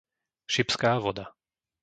Šibská voda